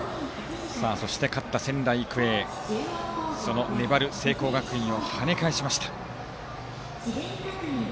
そして勝った仙台育英粘る聖光学院を跳ね返しました。